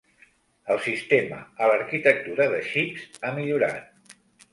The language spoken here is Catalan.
El sistema a l'arquitectura de xips ha millorat.